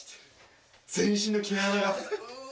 全身の毛穴が。